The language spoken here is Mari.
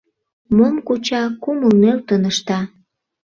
Мом куча — кумыл нӧлтын ышта.